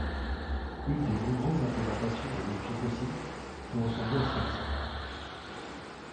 Une des nombreuses implémentations de l'objet possibles peut ressembler à celle-ci.